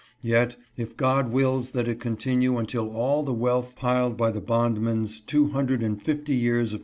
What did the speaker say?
Yet if God wills that it continue until all the wealth piled by the bond man's two hundred and fifty years of.